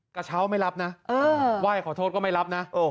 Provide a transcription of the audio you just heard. กระเช้าไม่รับนะไหว้ขอโทษก็ไม่รับนะ